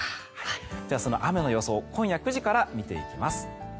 では、その雨の予想今夜９時から見ていきます。